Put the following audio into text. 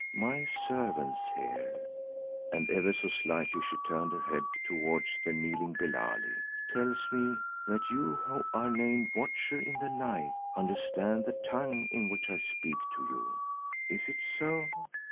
"My servant here," and ever so slightly she turned her head towards the kneeling Billali, "tells me that you who are named Watcher in the Night, understand the tongue in which I speak to you. Is it so?"